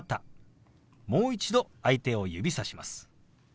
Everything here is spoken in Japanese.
もう一度相手を指さします。